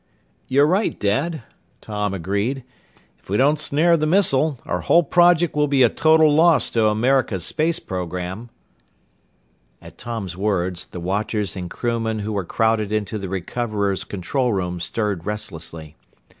"You're right, Dad," Tom agreed. "If we don't snare the missile, our whole project will be a total loss to America's space program!" At Tom's words, the watchers and crewmen who were crowded into the Recoverer's control room stirred restlessly.